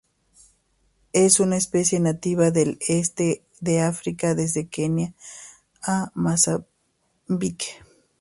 Es una especie nativa del este de África, desde Kenia a Mozambique.